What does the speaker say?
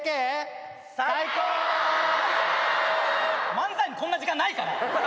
漫才にこんな時間ないから。